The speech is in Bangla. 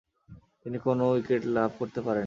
তিনি কোন উইকেট লাভ করতে পারেননি।